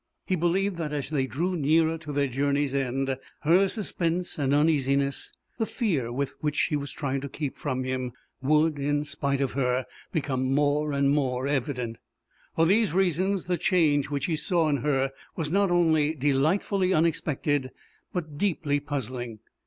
He believed that as they drew nearer to their journey's end her suspense and uneasiness, the fear which she was trying to keep from him, would, in spite of her, become more and more evident. For these reasons the change which he saw in her was not only delightfully unexpected but deeply puzzling.